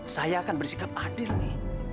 saya akan bersikap adil nih